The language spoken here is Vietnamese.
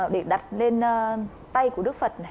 để đặt lên tay của đất phật